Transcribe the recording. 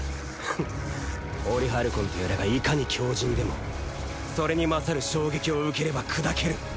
オリハルコンとやらがいかに強靭でもそれに勝る衝撃を受ければ砕ける。